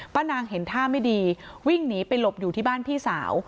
นางเห็นท่าไม่ดีวิ่งหนีไปหลบอยู่ที่บ้านพี่สาว